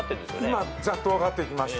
今ざっと分かってきました。